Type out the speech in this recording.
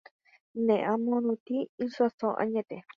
Ne ã morotĩ isãso añete